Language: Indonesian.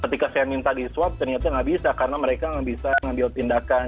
ketika saya minta di swab ternyata nggak bisa karena mereka nggak bisa ngambil tindakan